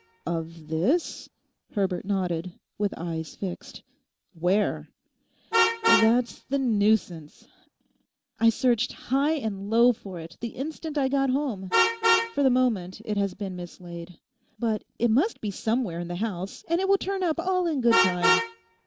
'Of this?' Herbert nodded, with eyes fixed. 'Where?' 'That's the nuisance. I searched high and low for it the instant I got home. For the moment it has been mislaid; but it must be somewhere in the house and it will turn up all in good time.